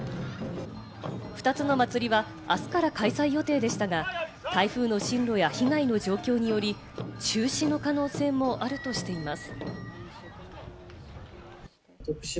２つの祭りは、あすから開催予定でしたが、台風の進路や被害の状況により、中止の可能性もあるとしています。